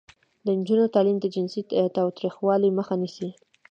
د نجونو تعلیم د جنسي تاوتریخوالي مخه نیسي.